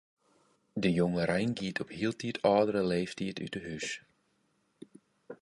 De jongerein giet op hieltyd âldere leeftiid út 'e hús.